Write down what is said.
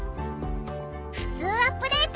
「ふつうアップデート」